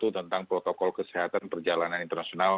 tentang protokol kesehatan perjalanan internasional